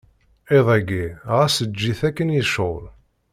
Iḍ-ayi ɣas eǧǧ-it akken yecɛel.